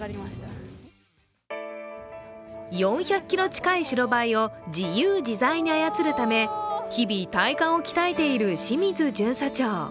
４００ｋｇ近い白バイを自由自在に操るため日々、体幹を鍛えている清水巡査長。